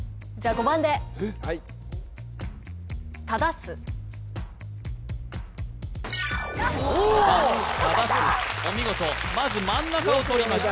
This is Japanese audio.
５番ただすお見事まず真ん中をとりました